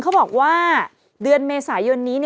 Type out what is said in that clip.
เขาบอกว่าเดือนเมษายนนี้